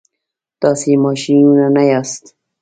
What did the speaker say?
تاسي ماشینونه نه یاست.